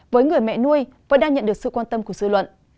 với người mẹ nuôi vẫn đang nhận được sự quan tâm của dư luận